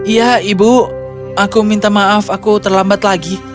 ya ibu aku minta maaf aku terlambat lagi